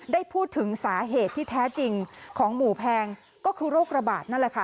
ได้พูดถึงสาเหตุที่แท้จริงของหมูแพงก็คือโรคระบาดนั่นแหละค่ะ